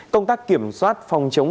công tác kiểm soát phòng chống